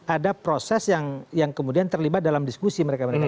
ada proses yang kemudian terlibat dalam diskusi